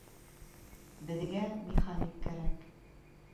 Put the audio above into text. Беҙгә механик кәрәк